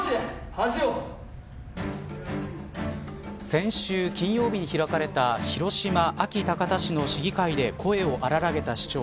先週、金曜日に開かれた広島、安芸高田市の市議会で声を荒らげた市長。